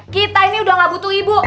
kita ini udah gak butuh ibu